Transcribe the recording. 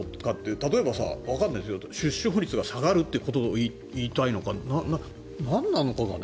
例えば、わからないですけど出生率が下がることを言いたいのか、なんなのかね。